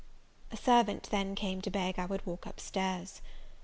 A servant then came to beg I would walk up stairs.